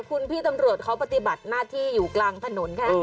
คุณพี่ตำรวจเขาปฏิบัติหน้าที่อยู่กลางถนนค่ะ